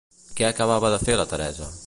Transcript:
Què acabava de fer la Teresa?